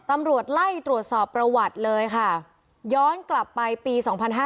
ตำรวจไล่ตรวจสอบประวัติเลยค่ะย้อนกลับไปปี๒๕๕๙